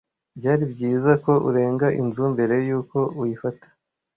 Byari byiza ko urenga inzu mbere yuko uyifata.